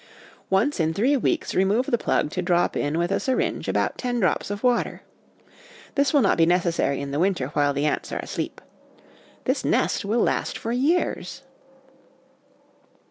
Once in three weeks remove the plug to drop in with a syringe about ten drops of water. This will not be necessary in the winter while the ants are asleep. This 'nest' will last for years.